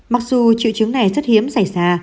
mặc dù triệu chứng này rất hiếm xảy ra